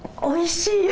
おいしい。